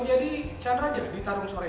oh jadi chandra jadi taruh sore ini